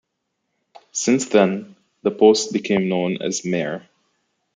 Since then, the post became known as Mayor.